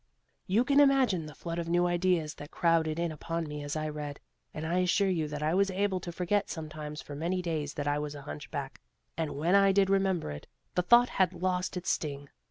You can imagine the flood of new ideas that crowded in upon me as I read, and I assure you that I was able to forget sometimes for many days that I was a hunchback, and when I did remember it, the thought had lost its sting.